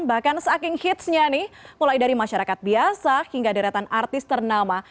bahkan saking hitsnya nih mulai dari masyarakat biasa hingga deretan artis ternama